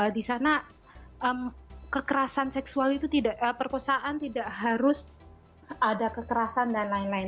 di sana kekerasan seksual itu tidak perkosaan tidak harus ada kekerasan dan lain lain